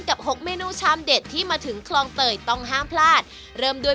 หกเมนูชามเด็ดที่มาถึงคลองเตยต้องห้ามพลาดเริ่มด้วย